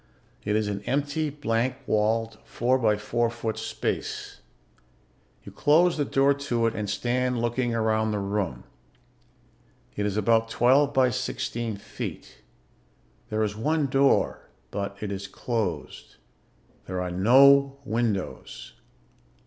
It is an empty, blank walled, four by four foot space. You close the door to it and stand looking around the room. It is about twelve by sixteen feet. There is one door, but it is closed. There are no windows.